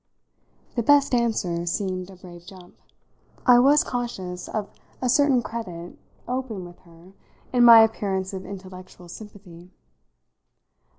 The best answer seemed a brave jump. I was conscious of a certain credit open with her in my appearance of intellectual sympathy.